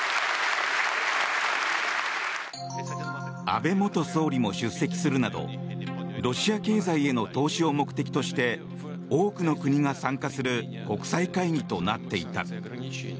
安倍元総理も出席するなどロシア経済への投資を目的として多くの国が参加する国際会議となっていた。